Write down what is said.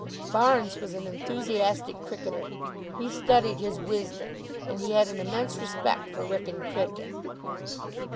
Barnes was an enthusiastic cricketer. He studied his Wisden, and he had an immense respect for Wrykyn cricket.